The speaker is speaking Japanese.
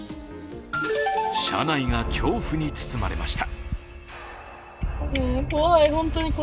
車内が恐怖に包まれました。